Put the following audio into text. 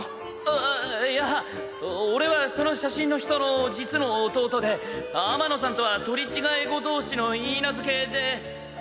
ああいや俺はその写真の人の実の弟で天野さんとは取り違え子同士の許嫁で。